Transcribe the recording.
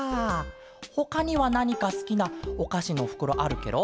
ほかにはなにかすきなおかしのふくろあるケロ？